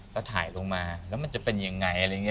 ก็ถ่ายลงมาแล้วมันจะเป็นยังไงอะไรอย่างนี้